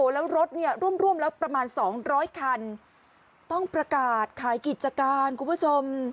แล้วรถเนี่ยร่วมแล้วประมาณ๒๐๐คันต้องประกาศขายกิจการคุณผู้ชม